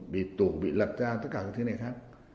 vì tù bị lật ra tất cả các thứ này khác